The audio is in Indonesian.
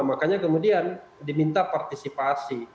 makanya kemudian diminta partisipasi